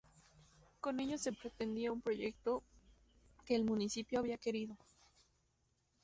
Con ello se pretendía un proyecto que el municipio había querido.